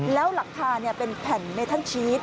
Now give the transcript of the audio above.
แล้วหลังคาเป็นแผ่นเมทันชีส